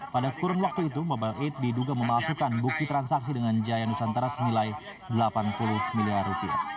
pada kurun waktu itu mobile aid diduga memasukkan bukti transaksi dengan jainus antara senilai rp delapan puluh miliar